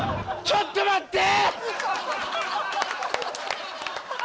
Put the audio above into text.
ちょっと待って！